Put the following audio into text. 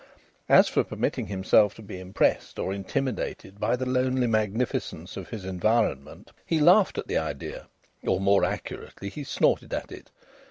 As for permitting himself to be impressed or intimidated by the lonely magnificence of his environment, he laughed at the idea; or, more accurately, he snorted at it.